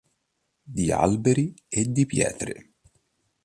Di alberi e di pietre.